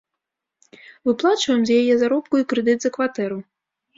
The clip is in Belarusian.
Выплачваем з яе заробку і крэдыт за кватэру.